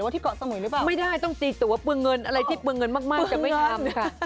แต่ตอนนี่ตายไปแล้ว